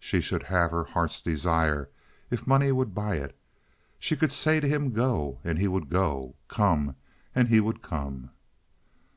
She should have her heart's desire, if money would buy it. She could say to him go, and he would go; come, and he would come.